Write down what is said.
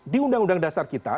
di undang undang dasar kita